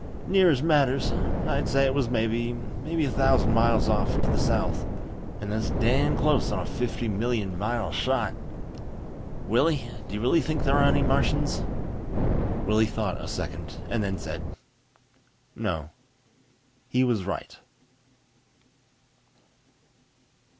"Near as matters. I'd say it was maybe a thousand miles off, to the south. And that's damn close on a fifty million mile shot. Willie, do you really think there are any Martians?" Willie thought a second and then said, "No." He was right.